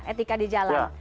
etika di jalan